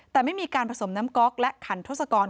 แต่ไม่มีการผสมน้ำก๊อกและขันทศกร